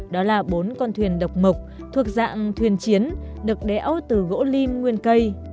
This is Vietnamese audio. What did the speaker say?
đó là bốn con thuyền độc mộc thuộc dạng thuyền chiến được đéo từ gỗ lim nguyên cây